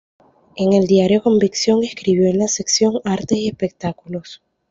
En el Diario Convicción, escribió en la sección Artes y Espectáculos.